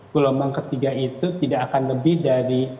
gelombang ketiga itu tidak akan lebih dari